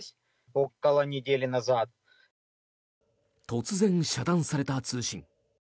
突然、遮断された通信。